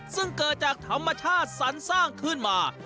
ซึ่งเกิดจากธรรมชาติสรรสร้างขึ้นมา